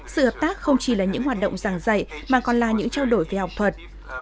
sự hợp tác không chỉ là những hoạt động giảng dạy mà còn là những trao đổi về học thuật